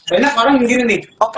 enak orang begini nih